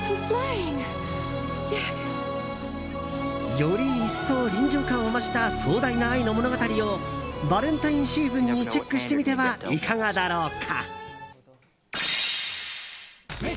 より一層、臨場感を増した壮大な愛の物語をバレンタインシーズンにチェックしてみてはいかがだろうか。